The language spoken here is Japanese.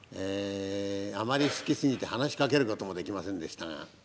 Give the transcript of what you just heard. あまり好きすぎて話しかけることもできませんでしたが。